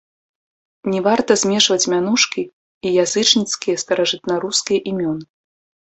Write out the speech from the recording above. Не варта змешваць мянушкі і язычніцкія старажытнарускія імёны.